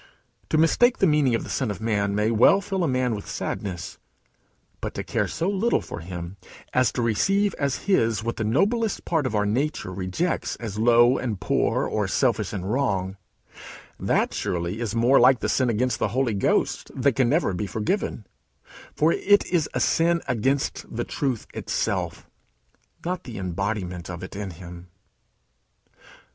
To mistake the meaning of the Son of man may well fill a man with sadness. But to care so little for him as to receive as his what the noblest part of our nature rejects as low and poor, or selfish and wrong, that surely is more like the sin against the Holy Ghost that can never be forgiven; for it is a sin against the truth itself, not the embodiment of it in him.